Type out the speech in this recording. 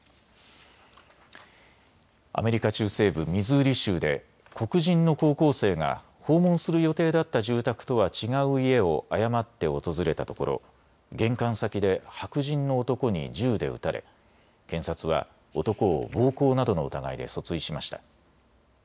アメリカ中西部ミズーリ州で黒人の高校生が訪問する予定だった住宅とは違う家を誤って訪れたところ、玄関先で白人の男に銃で撃たれ検察は男を暴行などの疑いで訴追しました。